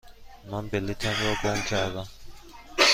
من بلیطم را گم کردم.